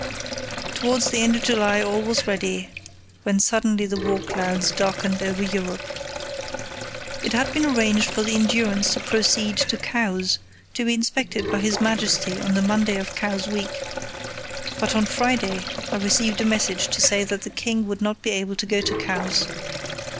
Towards the end of July all was ready, when suddenly the war clouds darkened over Europe. It had been arranged for the Endurance to proceed to Cowes, to be inspected by His Majesty on the Monday of Cowes week. But on Friday I received a message to say that the King would not be able to go to Cowes.